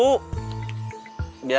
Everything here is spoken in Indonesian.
biar ada tenaga